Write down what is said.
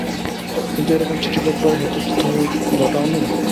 কিন্তু এইরকম চিঠি লেখবার হেতু কি তুমিই ঘটাও নি?